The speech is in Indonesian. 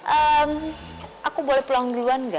ehm aku boleh pulang duluan gak